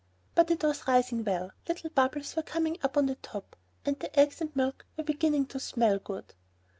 But it was rising well, little bubbles were coming up on the top. And the eggs and milk were beginning to smell good.